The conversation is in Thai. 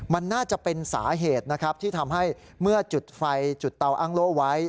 มันน่าจะเป็นสาเหตุนะครับที่ทำให้เมื่อจุดไฟจุดเตาอ้างโล่ไว้